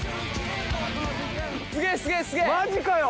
マジかよ！